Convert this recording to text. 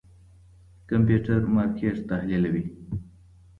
کمپيوټر مارکېټ تحليلوي.